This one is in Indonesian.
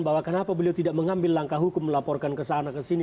bahwa kenapa beliau tidak mengambil langkah hukum melaporkan kesana kesini